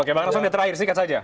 oke pak raksana terakhir sikat saja